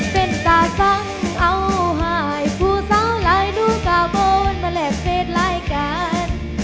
เป็นตาสังเอาหายผู้สาวหลายดูกาโบนมาแลกเฟสรายการ